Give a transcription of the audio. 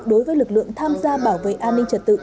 đối với lực lượng tham gia bảo vệ an ninh trật tự